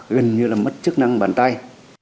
gần như là mất chức năng bàn tay